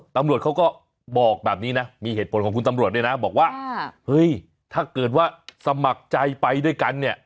ตำรวจเขาก็บอกแบบนี้นะมีเหตุผลของคุณตำรวจด้วยนะบอกว่าเฮ้ยถ้าเกิดว่าสมัครใจไปด้วยกันเนี่ย